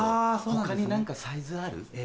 他に何かサイズある？